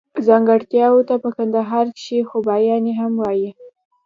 ځانګړتياوو ته په کندهار کښي خوباياني هم وايي.